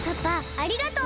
ありがとう！